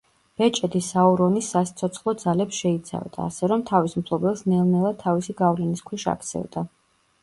ბეჭედი საურონის სასიცოცხლო ძალებს შეიცავდა, ასე რომ, თავის მფლობელს ნელ-ნელა თავისი გავლენის ქვეშ აქცევდა.